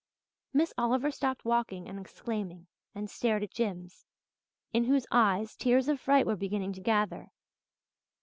Miss Oliver stopped walking and exclaiming, and stared at Jims, in whose eyes tears of fright were beginning to gather.